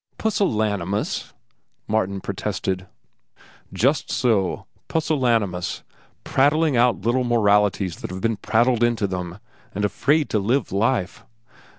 "Pusillanimous?" Martin protested. "Just so, pusillanimous; prattling out little moralities that have been prattled into them, and afraid to live life.